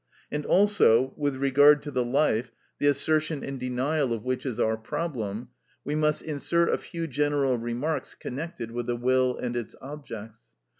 And also, with regard to the life, the assertion and denial of which is our problem, we must insert a few general remarks connected with the will and its objects.